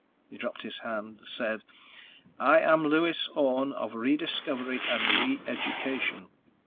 _ He dropped his hand, said: "I am Lewis Orne of Rediscovery and Reeducation.